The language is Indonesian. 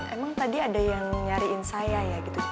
emang tadi ada yang nyariin saya ya gitu